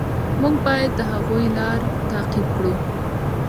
موږ باید د هغوی لاره تعقیب کړو.